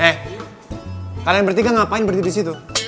eh kalian bertiga ngapain berhenti di situ